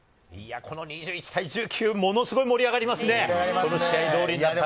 ２１対１９はものすごい盛り上がりますね。